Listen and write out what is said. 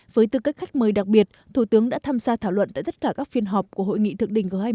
với tư cách khách mời đặc biệt thủ tướng đã tham gia thảo luận tại tất cả các phiên họp của hội nghị thượng đỉnh g hai mươi